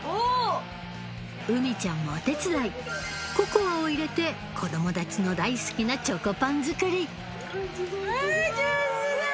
うみちゃんもお手伝いココアを入れて子供たちの大好きなチョコパン作りすごいすごい。